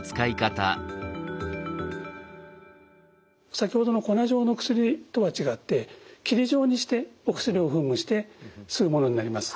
先ほどの粉状の薬とは違って霧状にしてお薬を噴霧して吸うものになります。